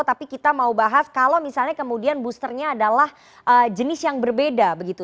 tapi kita mau bahas kalau misalnya kemudian boosternya adalah jenis yang berbeda begitu